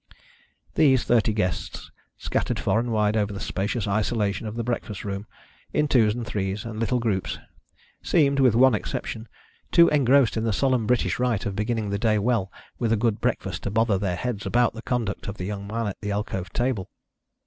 These thirty guests, scattered far and wide over the spacious isolation of the breakfast room, in twos and threes, and little groups, seemed, with one exception, too engrossed in the solemn British rite of beginning the day well with a good breakfast to bother their heads about the conduct of the young man at the alcove table.